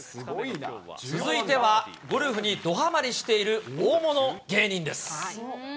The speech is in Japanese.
続いては、ゴルフにどはまりしている大物芸人です。